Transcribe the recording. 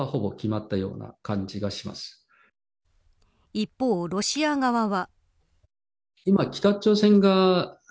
一方、ロシア側は。